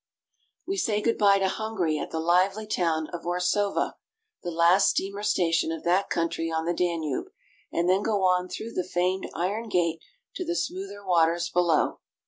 We say good by to Hungary at the lively town of Orsova (or so'vo), the last steamer station of that country on the Danube, and then go on through the famed Iron Gate to the smoother waters below.